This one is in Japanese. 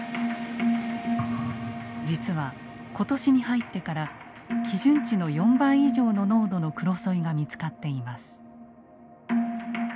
実は今年に入ってから基準値の４倍以上の濃度のクロソイが見つかっています。